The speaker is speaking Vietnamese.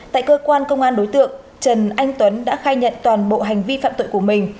tại cơ quan công an đối tượng trần anh tuấn đã khai nhận toàn bộ hành vi phạm tội của mình